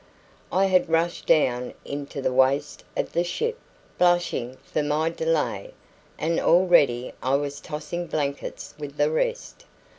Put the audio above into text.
I had rushed down into the waist of the ship blushing for my delay and already I was tossing blankets with the rest.